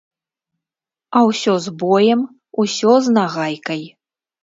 А ўсё з боем, ўсё з нагайкай.